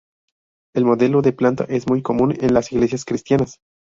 El modelo de planta es muy común en las iglesias cristianas.